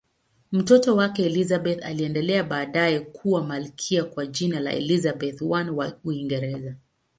Mtoto wake Elizabeth aliendelea baadaye kuwa malkia kwa jina la Elizabeth I wa Uingereza.